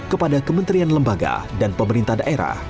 kepada kementerian lembaga dan pemerintah daerah